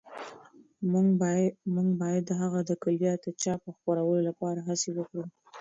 موږ باید د هغه د کلیات د چاپ او خپرولو لپاره هڅې وکړو.